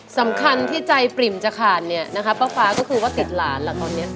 สำคัญที่ใจปริ่มจะขาดเนี่ยนะคะป้าฟ้าก็คือว่าติดหลานล่ะตอนนี้